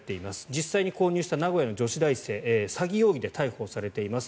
実際に購入した名古屋の女子大生詐欺容疑で逮捕されています。